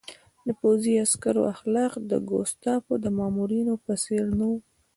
د پوځي عسکرو اخلاق د ګوستاپو د مامورینو په څېر نه وو